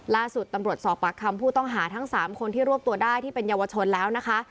ล่าสุดตำรวจสอบปากคำผู้ต้องหาทั้ง๓คนที่รวบตัวได้ที่เป็นเยาวชนแล้วนะคะ